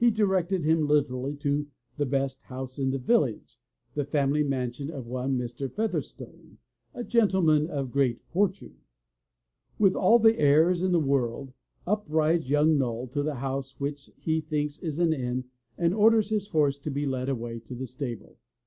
li^^:^ directed him literally to the best house in the village/* the family mansion of one, Mr. Featherstone, a gentleman of great for tune. With all the airs in the world, up rides young Noll to the house which he thinks is an inn and orders his horse to be led away to the stable!